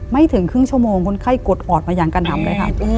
ไม่ถึงครึ่งชั่วโมงคนไข้กดออดมาอย่างกระหนำเลยค่ะ